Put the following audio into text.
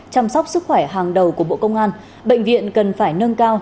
chăm sóc sức khỏe hàng đầu của bộ công an bệnh viện cần phải nâng cao